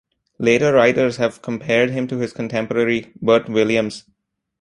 Later writers have compared him to his contemporary, Bert Williams.